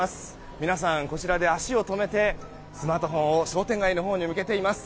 皆さん、こちらで足を止めてスマートフォンを商店街のほうに向けています。